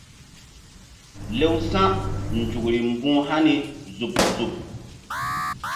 Lew sa̧nzukri mbu̧h hani zuɓ zuɓ.